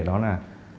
vấn đề đó là